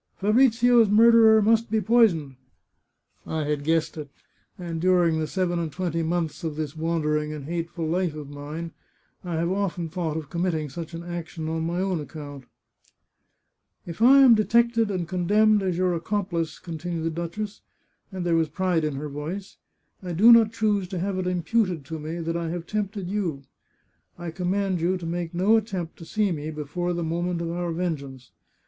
" Fabrizio's murderer must be poisoned." " I had guessed it ; and during the seven and twenty months of this wandering and hateful life of mine, I have often thought of committing such an action on my own ac count." 393 The Chartreuse of Parma " If I am detected and condemned as your accomplice," continued the duchess, and there was pride in her voice, " I do not choose to have it imputed to me that I have tempted you. I command you to make no attempt to see me before the moment of our vengeance.